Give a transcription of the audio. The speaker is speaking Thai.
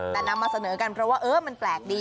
แต่นำมาเสนอกันเพราะว่ามันแปลกดี